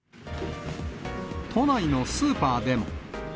都内のスーパーでも。